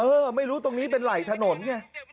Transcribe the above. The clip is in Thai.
เออไม่รู้ตรงนี้เป็นไหล่ถนนเนี่ย